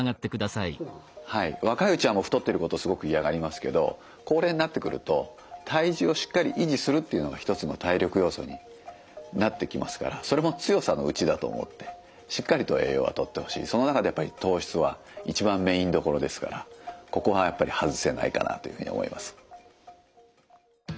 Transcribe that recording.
若いうちはもう太ってることをすごく嫌がりますけど高齢になってくると体重をしっかり維持するっていうのが一つの体力要素になってきますからそれも強さのうちだと思ってしっかりと栄養はとってほしいその中でやっぱり糖質は一番メインどころですからここはやっぱり外せないかなというふうに思います。